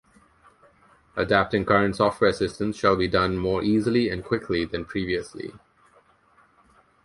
Adapting current software systems shall be done more easily and quickly than previously.